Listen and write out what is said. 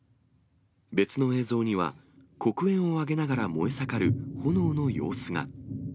別の映像には、黒煙を上げながら燃え盛る炎の様子が。